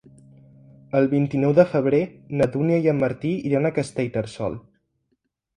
El vint-i-nou de febrer na Dúnia i en Martí iran a Castellterçol.